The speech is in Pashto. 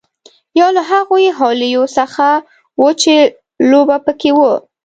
یو له هغو حويليو څخه وه چې لوبه پکې وه.